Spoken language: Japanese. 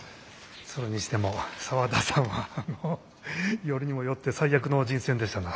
それにしても澤田さんはよりにもよって最悪の人選でしたな。